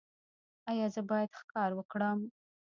ایا زه باید ښکار وکړم؟